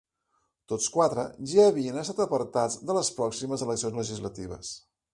Tots quatre ja havien estat apartats de les pròximes eleccions legislatives.